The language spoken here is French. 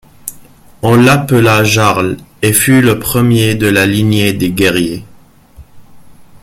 On l'appela Jarl et fut le premier de la lignée des Guerriers.